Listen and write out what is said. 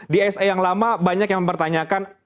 di se yang lama banyak yang mempertanyakan